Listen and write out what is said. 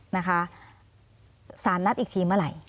นะคะสารนัดอีกทีเมื่อไหร่